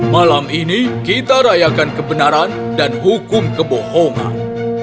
malam ini kita rayakan kebenaran dan hukum kebohongan